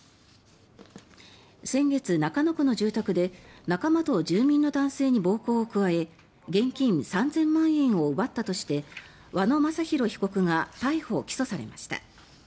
先月、中野区の住宅で仲間と住人の男性に暴行を加え現金３０００万円を奪ったとして和野正弘被告が逮捕・起訴されました。